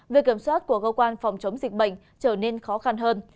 việc kiểm soát của cơ quan phòng chống dịch bệnh trở nên khó khăn hơn